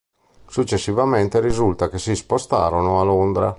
Successivamente, risulta che si spostarono a Londra.